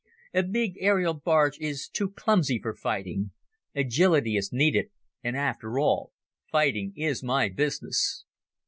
A big aerial barge is too clumsy for fighting. Agility is needed and, after all, fighting is my business.